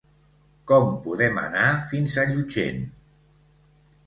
Com podem anar fins a Llutxent?